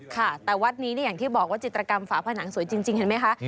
ค่ะแต่วัดนี้อย่างที่บอกว่าจิตรกรรมฝาผนังสวยจริงเห็นไหมคะ